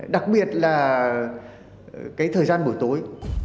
đặc biệt là cái thời gian buổi tối